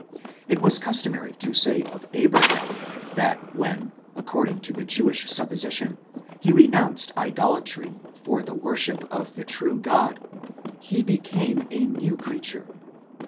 It was customary to say of Abraham, that when, according to the Jewish supposition, he renounced idolatry for the worship of the true God, he became a new creature ("7M 3).